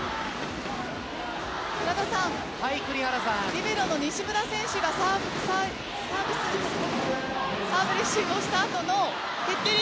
リベロの西村選手がサーブレシーブをした後の決定率